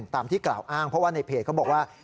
ตามที่กล่าวอ้างเพราะว่าในเพจเขาบอกว่า